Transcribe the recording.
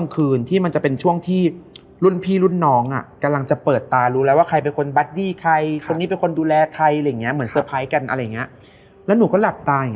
คือทีมงานก็บอกผมแล้วว่า